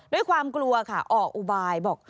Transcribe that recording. ด้วยความกลัวค่ะออกอุบายบอก